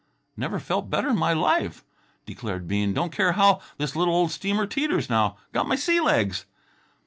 "Never felt better in my life," declared Bean. "Don't care how this little old steamer teeters now. Got my sea legs."